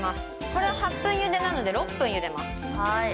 これは８分ゆでなので６分ゆでます。